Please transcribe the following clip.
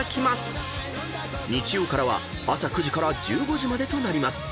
［日曜からは朝９時から１５時までとなります］